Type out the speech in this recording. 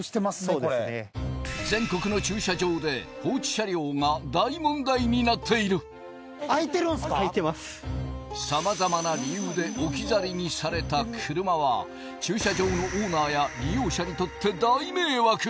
これ全国の駐車場で放置車両が大問題になっている様々な理由で置き去りにされた車は駐車場のオーナーや利用者にとって大迷惑